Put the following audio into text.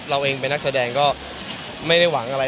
เราเองเป็นนักแสดงก็ไม่ได้หวังอะไร